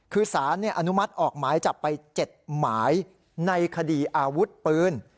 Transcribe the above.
คือสารอนุมัติออกหมายจับไป๗หมายในคดีอาวุธปืน